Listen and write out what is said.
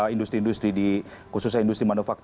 industri industri di khususnya